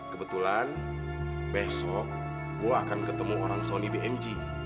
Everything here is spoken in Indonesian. kebetulan besok gue akan ketemu orang sony bmg